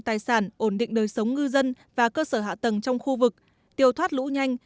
tài sản ổn định đời sống ngư dân và cơ sở hạ tầng trong khu vực tiêu thoát lũ nhanh